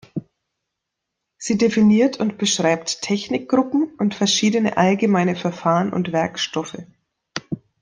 Sie definiert und beschreibt Technik-Gruppen und verschiedene allgemeine Verfahren und Werkstoffe.